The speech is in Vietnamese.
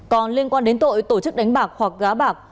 còn liên quan đến tội tổ chức đánh bạc hoặc gá bạc